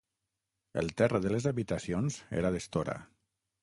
El terra de les habitacions era d'estora.